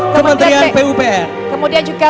kementerian pupr kemudian juga